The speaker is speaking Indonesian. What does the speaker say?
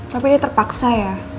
tapi dia terpaksa ya